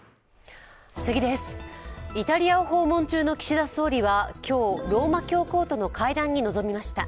イタリアを訪問中の岸田総理はローマ教皇との会談に臨みました。